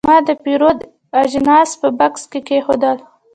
ما د پیرود اجناس په بکس کې کېښودل.